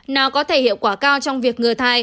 nào có thể hiệu quả cao trong việc ngừa thai